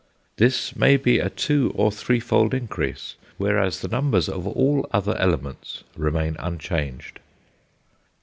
This may be a two or threefold increase, whereas the numbers of all other elements remain unchanged.